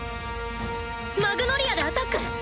マグノリアでアタック！